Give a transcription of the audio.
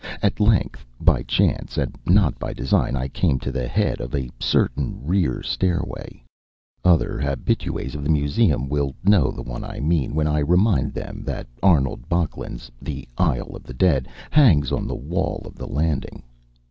At length, by chance and not by design, I came to the head of a certain rear stairway. Other habitués of the museum will know the one I mean when I remind them that Arnold Böcklin's The Isle of the Dead hangs on the wall of the landing.